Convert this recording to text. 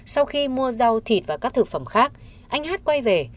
sau khi mua rau thịt và các thực phẩm khác anh hát quay về